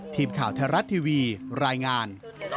ทีมข่าวไทยรัฐทีวีรายงาน